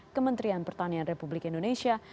kementerian pertanian republik indonesia